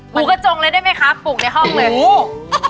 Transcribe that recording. หมูกระจงเลยได้ไหมคะปลูกในห้องเลย